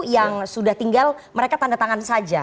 yang sudah tinggal mereka tanda tangan saja